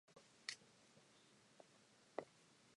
The half-hour newscast is anchored by Brenda Medina and Ryan Bailey.